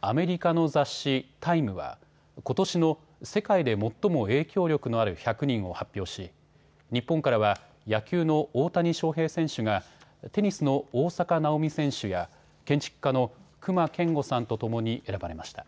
アメリカの雑誌、タイムはことしの世界で最も影響力のある１００人を発表し日本からは野球の大谷翔平選手がテニスの大坂なおみ選手や建築家の隈研吾さんとともに選ばれました。